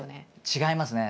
違いますね。